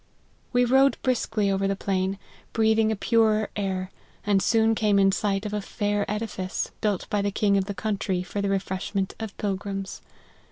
" We rode briskly over the plain, breathing a purer air, and soon came in sight of a fair edifice, built by the king of 'the country for the refreshment of pilgrims.